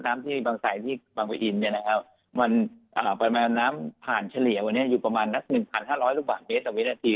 น้ำที่บางไซน์ที่บางประเทศมันปรับแม่น้ำผ่านเฉลี่ยอยู่ประมาณ๑๕๐๐ลูกบาทเมตรอวินาที